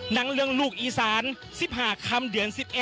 หนังเรื่องลูกอีสาน๑๕คำเดือน๑๑